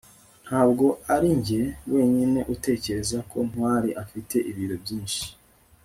ntabwo arinjye wenyine utekereza ko ntwali afite ibiro byinshi